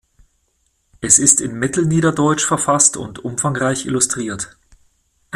Es ist in Mittelniederdeutsch verfasst und umfangreich illustriert.